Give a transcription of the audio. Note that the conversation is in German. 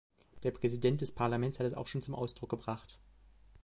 Der Präsident des Parlaments hat das auch schon zum Ausdruck gebracht.